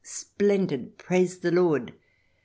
Splendid ! Praise the Lord !"